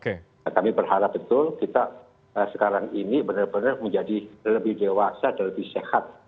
nah kami berharap betul kita sekarang ini benar benar menjadi lebih dewasa dan lebih sehat